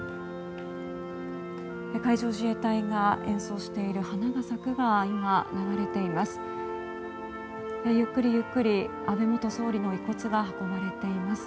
海上自衛隊が演奏している「花は咲く」が今、流れています。